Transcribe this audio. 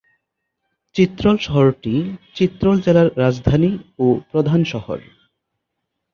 চিত্রল শহরটি চিত্রল জেলার রাজধানী ও প্রধান শহর।